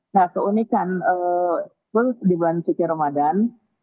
nah keunikan di bulan cikai ramadan